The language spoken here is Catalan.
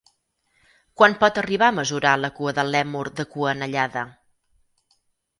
Quan pot arribar a mesurar la cua del lèmur de cua anellada?